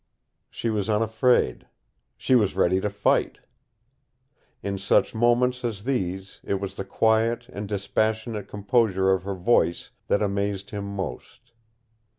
She was unafraid. She was ready to fight. In such moments as these it was the quiet and dispassionate composure of her voice that amazed him most.